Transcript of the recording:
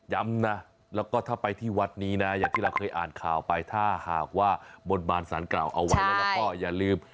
ย้ำนะแล้วก็ถ้าไปที่วัดนี้นะอย่างที่เราเคยอ่านข่าวไปถ้าหากว่าบนบานสารกล่าวเอาไว้แล้วก็อย่าลืม